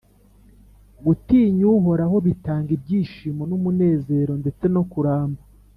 Gutinya uhoraho bitanga ibyishimo n’umunezero, ndetse no kuramba